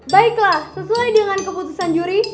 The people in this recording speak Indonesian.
baiklah sesuai dengan keputusan juri